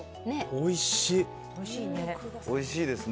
おいしいですね。